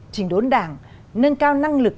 chỉnh đốn đảng nâng cao năng lực